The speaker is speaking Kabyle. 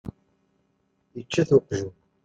Ičča-t uqjun.